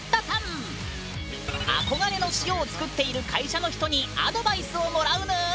憧れの塩を作っている会社の人にアドバイスをもらうぬん！